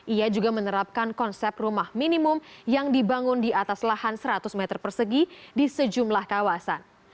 ia juga menerapkan konsep rumah minimum yang dibangun di atas lahan seratus meter persegi di sejumlah kawasan